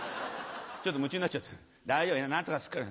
「ちょっと夢中になっちゃった大丈夫何とかすっから。